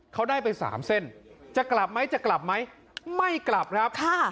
เขาได้ไปสามเส้นจะกลับไหมจะกลับไหมไม่กลับครับ